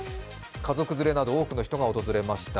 家族連れなど多くの人が訪れました。